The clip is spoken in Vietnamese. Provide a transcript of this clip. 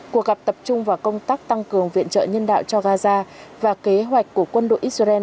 cuộc gặp tập trung vào công tác tăng cường viện trợ nhân đạo cho gaza và kế hoạch của quân đội israel